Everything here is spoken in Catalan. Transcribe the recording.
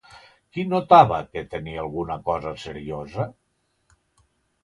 Qui notava que tenia alguna cosa seriosa?